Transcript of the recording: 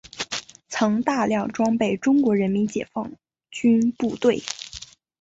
曾大量装备中国人民解放军部队。